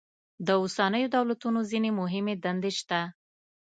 د اوسنیو دولتونو ځینې مهمې دندې شته.